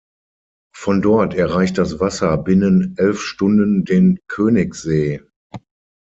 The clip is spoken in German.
Von dort erreicht das Wasser binnen elf Stunden den Königssee.